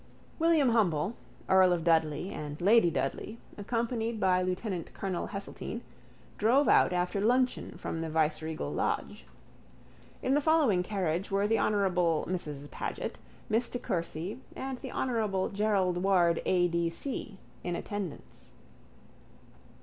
William Humble, earl of Dudley, and lady Dudley, accompanied by lieutenantcolonel Heseltine, drove out after luncheon from the viceregal lodge. In the following carriage were the honourable Mrs Paget, Miss de Courcy and the honourable Gerald Ward A. D. C. in attendance.